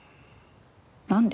何で？